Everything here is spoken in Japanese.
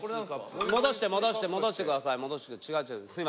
戻して戻して戻してください。